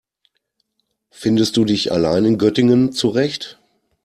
Findest du dich allein in Göttingen zurecht?